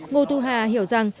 ngô thu hà hiểu rằng